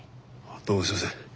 どうもすいません。